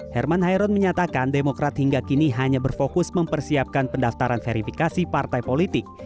herman hairon menyatakan demokrat hingga kini hanya berfokus mempersiapkan pendaftaran verifikasi partai politik